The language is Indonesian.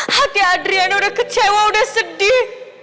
hati adrian udah kecewa udah sedih